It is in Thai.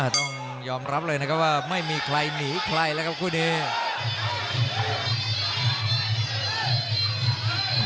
ต้องยอมรับเลยนะครับว่าไม่มีใครหนีใครแล้วครับคู่นี้